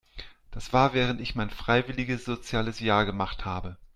Das war während ich mein freiwilliges soziales Jahr gemacht habe.